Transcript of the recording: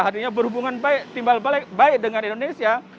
artinya berhubungan timbal baik dengan indonesia